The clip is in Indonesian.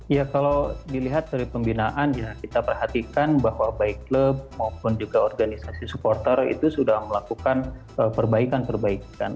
ya kalau dilihat dari pembinaan ya kita perhatikan bahwa baik klub maupun juga organisasi supporter itu sudah melakukan perbaikan perbaikan